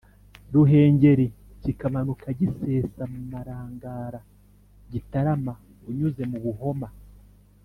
(ruhengeri) kikamanuka gisesa mu marangara (gitarama) unyuze mu buhoma